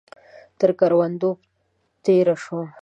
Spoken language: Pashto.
تر کروندو تېره شوه.